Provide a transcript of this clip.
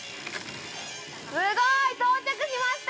すごい。到着しました！